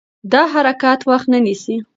دا حرکت وخت نه نیسي.